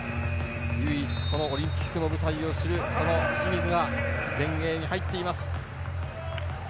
唯一このオリンピックの舞台を知る清水が前衛に入っています。